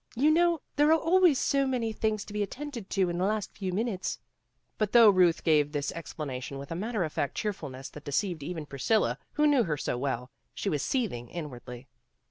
You know there are always so many things to be attended to in the last few minutes." But though Ruth gave this explanation with a matter of fact cheerfulness that deceived even Priscilla who knew her so well, she was seething inwardly.